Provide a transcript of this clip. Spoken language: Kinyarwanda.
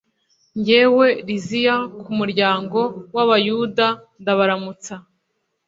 jyewe liziya, ku muryango w'abayahudi, ndabaramutsa